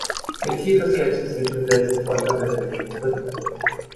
Mit tiefer Skepsis widmete er sich fortan der christlichen Überlieferung.